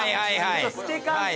透け感か。